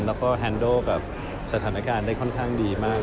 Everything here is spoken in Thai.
แล้วก็แฮนโดกับสถานการณ์ได้ค่อนข้างดีมาก